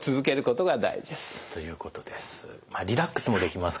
ということです。